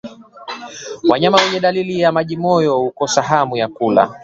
Wanyama wenye dalili za majimoyo hukosa hamu ya kula